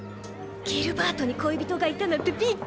ギルバートに恋人がいたなんてびっくり！